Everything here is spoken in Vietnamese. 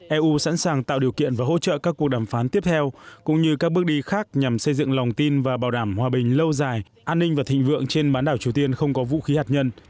eu sẵn sàng tạo điều kiện và hỗ trợ các cuộc đàm phán tiếp theo cũng như các bước đi khác nhằm xây dựng lòng tin và bảo đảm hòa bình lâu dài an ninh và thịnh vượng trên bán đảo triều tiên không có vũ khí hạt nhân